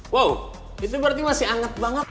wow itu berarti masih hangat banget